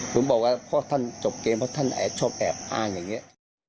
ผมบอกว่าพ่อท่านจบเกมเพราะท่านแอบชอบแอบอ้างอย่างนี้